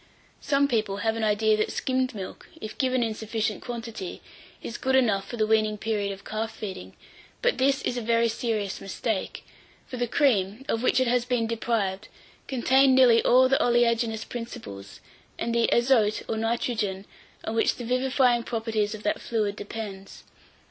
Some people have an idea that skimmed milk, if given in sufficient quantity, is good enough for the weaning period of calf feeding; but this is a very serious mistake, for the cream, of which it has been deprived, contained nearly all the oleaginous principles, and the azote or nitrogen, on which the vivifying properties of that fluid depends.